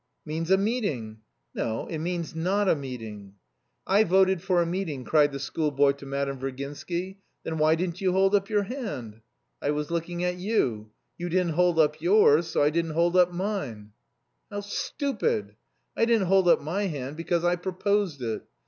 "Means a meeting." "No, it means not a meeting." "I voted for a meeting," cried the schoolboy to Madame Virginsky. "Then why didn't you hold up your hand?" "I was looking at you. You didn't hold up yours, so I didn't hold up mine." "How stupid! I didn't hold up my hand because I proposed it.